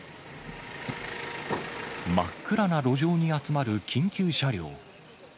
真っ暗な路上に集まる緊急車両。